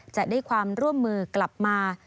จะได้ความร่วมมือกลับมา